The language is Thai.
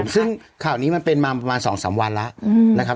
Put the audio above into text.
ซึ่งข่าวนี้มันเป็นมาประมาณ๒๓วันแล้วนะครับ